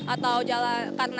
atau jalan tanjung sari ini